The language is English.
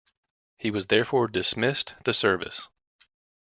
He was therefore dismissed the service.